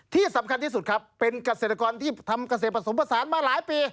ที่สำคัญที่สุดครับเป็นเกษตรกรที่ทำเกษตรผสมผสานมาหลายปี